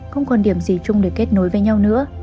không còn điểm gì chung để kết nối với nhau nữa